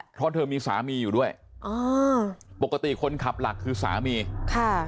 เพราะเธอมีสามีอยู่ด้วยอ๋อปกติคนขับหลักคือสามีค่ะ